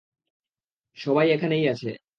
সবাই এখানেই আছে।